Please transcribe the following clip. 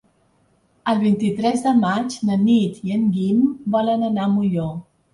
El vint-i-tres de maig na Nit i en Guim volen anar a Molló.